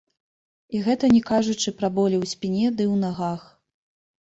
І гэта не кажучы пра болі ў спіне ды ў нагах.